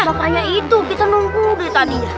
makanya itu kita nunggu dari tadi ya